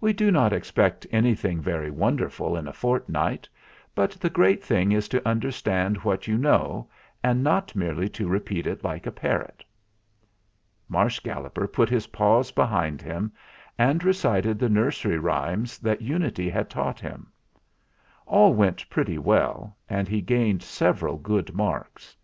"We do not expect anything very wonderful in a fortnight; but the great thing is to understand what you know, and not merely to repeat it like a parrot." Marsh Galloper put his paws behind him, and recited the nursery rhymes that Unity had taught him. All went pretty well, and he gained several good marks.